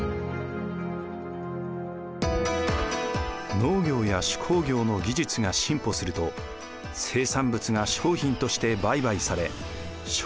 農業や手工業の技術が進歩すると生産物が商品として売買され商業が発達しました。